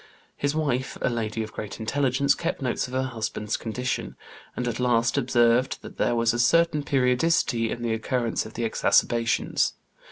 His wife, a lady of great intelligence, kept notes of her husband's condition, and at last observed that there was a certain periodicity in the occurrence of the exacerbations.